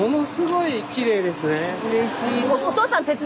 うれしい。